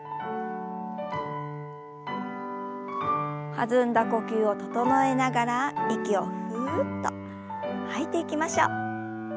弾んだ呼吸を整えながら息をふっと吐いていきましょう。